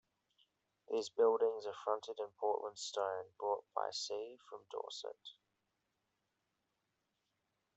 These buildings are fronted in Portland stone brought by sea from Dorset.